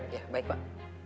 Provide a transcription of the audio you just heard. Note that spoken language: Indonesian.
ya baik pak